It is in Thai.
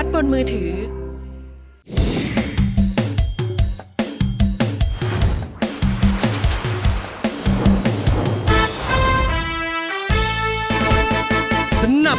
สวัสดีครับ